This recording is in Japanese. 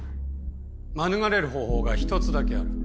免れる方法が１つだけある。